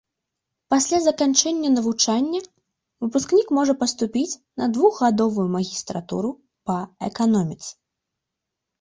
Пасля заканчэння навучання выпускнік можа паступіць на двухгадовую магістратуру па эканоміцы.